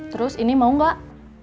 terus ini mau gak